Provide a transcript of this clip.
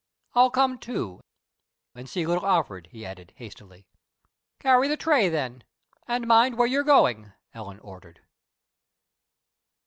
"I'll come, too and see little Alfred," he added, hastily. "Carry the tray, then, and mind where you're going," Ellen ordered.